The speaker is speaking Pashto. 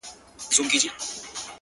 • خو تر لمر یو حقیقت راته روښان دی,